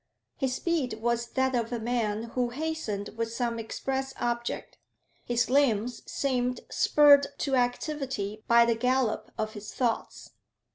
His speed was that of a man who hastened with some express object; his limbs seemed spurred to activity by the gallop of his thoughts.